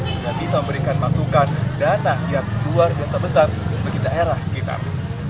sudah bisa memberikan masukan dana yang luar biasa besar bagi daerah sekitar